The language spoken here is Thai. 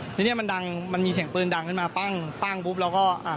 เนี่ยเนี่ยมันดังมันมีเสียงปืนดังขึ้นมาปั้งปั้งปุ๊บเราก็